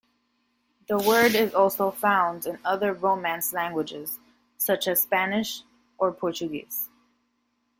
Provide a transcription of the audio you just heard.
The word is also found in other Romance languages such as Spanish or Portuguese.